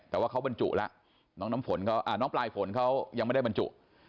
แต่ว่าเขาบรรจุละน้องปลายฝนเขายังไม่ได้บรรจุ